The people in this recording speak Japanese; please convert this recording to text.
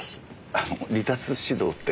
あの離脱指導って？